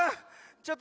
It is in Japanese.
ちょっと！